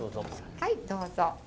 はいどうぞ。